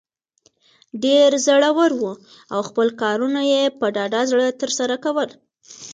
ډیر زړه ور وو او خپل کارونه یې په ډاډه زړه تر سره کول.